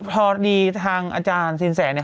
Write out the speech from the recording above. พอดีทางอาจารย์สินแสเนี่ย